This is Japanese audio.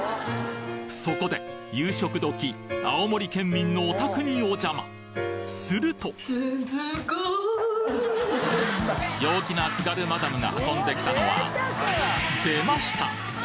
そこで夕食時青森県民のお宅にお邪魔すると陽気な津軽マダムが運んできたのは出ました！